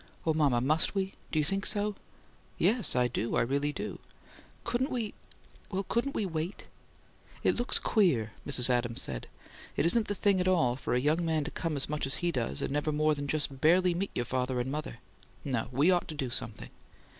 "Oh, mama, must we? Do you think so?" "Yes, I do. I really do." "Couldn't we well, couldn't we wait?" "It looks queer," Mrs. Adams said. "It isn't the thing at all for a young man to come as much as he does, and never more than just barely meet your father and mother. No. We ought to do something."